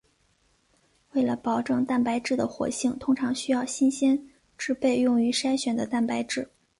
为了保证蛋白质的活性通常需要新鲜制备用于筛选的蛋白质。